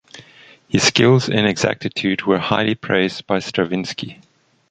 His skills and exactitude were highly praised by Stravinsky.